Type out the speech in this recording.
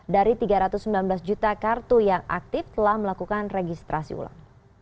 dari tiga ratus sembilan belas juta kartu yang aktif telah melakukan registrasi ulang